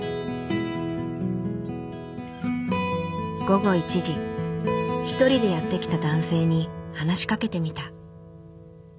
午後１時１人でやって来た男性に話しかけてみた。